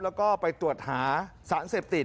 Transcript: แล้วก็ไปตรวจหาสารเสพติด